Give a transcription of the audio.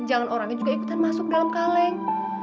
jangan orangnya juga ikutan masuk dalam kaleng